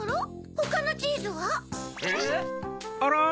ほかのチーズは？え？え？